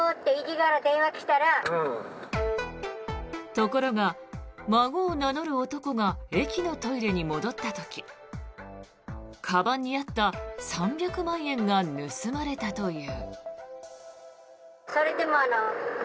ところが、孫を名乗る男が駅のトイレに戻った時かばんにあった３００万円が盗まれたという。